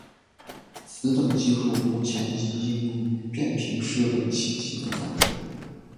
此等技术目前已应用于变频式冷气机等范畴。